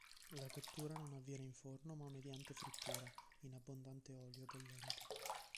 La cottura non avviene in forno ma mediante frittura in abbondante olio bollente.